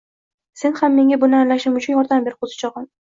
sen ham menga buni anglashim uchun yordam ber, qo'zichog'im.